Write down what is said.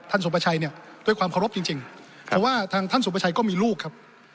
สุประชัยเนี่ยด้วยความเคารพจริงจริงเพราะว่าทางท่านสุประชัยก็มีลูกครับ